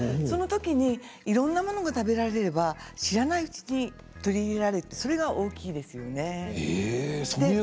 そのときにいろんなものが食べられれば知らないうちに取り入れられるということが大きいですね。